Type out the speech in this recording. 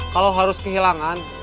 kalau harus kehilangan